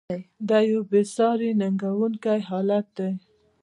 دا یوه بې ساري ننګونکی حالت دی.